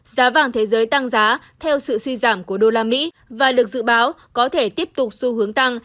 giá vàng thế giới tăng giá theo sự suy giảm của đô la mỹ và được dự báo có thể tiếp tục xu hướng tăng